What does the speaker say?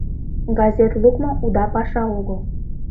Газет лукмо — уда паша огыл.